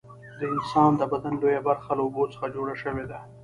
د انسان د بدن لویه برخه له اوبو څخه جوړه شوې ده